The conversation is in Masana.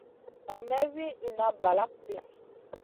Nam may wi inna balakŋ ɗi.